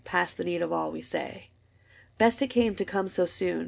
Past the need of all we say. Best it came to come so soon.